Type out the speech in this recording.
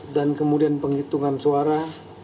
dan kemudian penghitungan suara